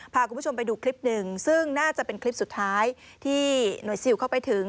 พาคุณผู้ชมไปดูคลิปหนึ่งซึ่งน่าจะเป็นคลิปสุดท้ายที่หน่วยซิลเข้าไปถึง